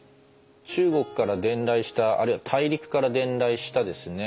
中国から伝来したあるいは大陸から伝来したですね